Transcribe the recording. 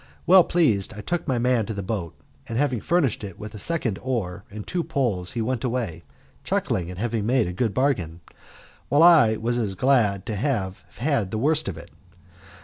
Well pleased, I took my man to the boat, and having furnished it with a second oar and two poles he went away, chuckling at having made a good bargain, while I was as glad to have had the worst of it.